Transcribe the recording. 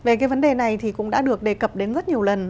về cái vấn đề này thì cũng đã được đề cập đến rất nhiều lần